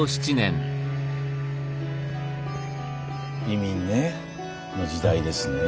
移民ねの時代ですね。